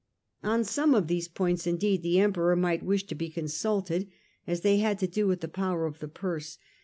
On some of these points indeed the Emperor might wish to be consulted, as they had to do with the power of the purse.